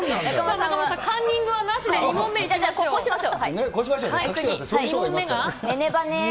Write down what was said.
中丸さん、カンニングはなしで、２問目いきましょう。